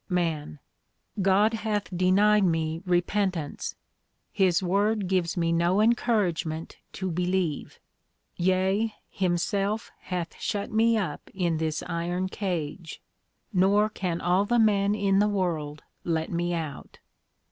MAN. God hath denied me repentance: his Word gives me no encouragement to believe; yea, himself hath shut me up in this Iron Cage; nor can all the men in the world let me out.